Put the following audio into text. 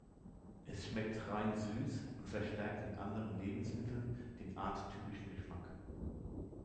Es schmeckt rein süß und verstärkt in anderen Lebensmitteln den arttypischen Geschmack.